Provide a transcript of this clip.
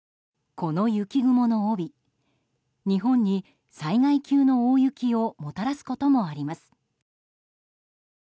この雪雲の帯、日本に災害級の大雪をもたらすこともあります。